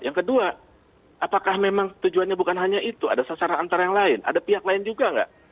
yang kedua apakah memang tujuannya bukan hanya itu ada sasaran antara yang lain ada pihak lain juga nggak